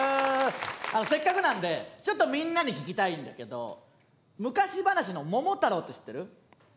せっかくなのでちょっとみんなに聞きたいんだけど昔話の「桃太郎」って知ってる？